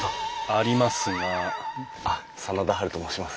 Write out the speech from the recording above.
ありますがあっ真田ハルと申します。